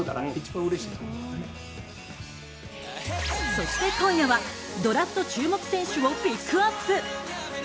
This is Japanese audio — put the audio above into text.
そして今夜は、ドラフト注目選手をピックアップ。